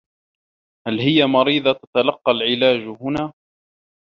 هل هي مريضة تتلقّى العلاج هنا؟